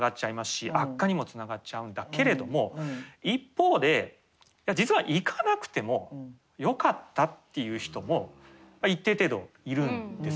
一方で実は行かなくてもよかったっていう人も一定程度いるんですよね。